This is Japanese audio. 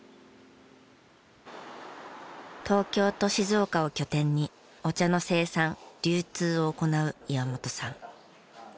東京と静岡を拠点にお茶の生産・流通を行う岩本さん。